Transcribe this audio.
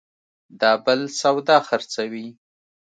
دا بل سودا خرڅوي